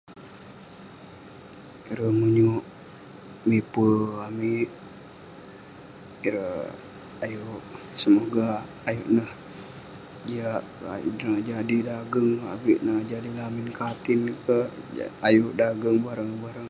Ireh menyuk mipei amik ireh ayuk sunga ireh ayuk neh jiak keh ayuk neh jadi dageng avik neh jadi lamin katin keh ayuk dageng bareng-bareng